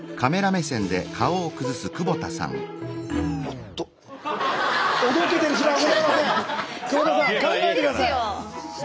久保田さん考えて下さい。